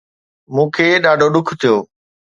مون کي ڏاڍو ڏک ٿيو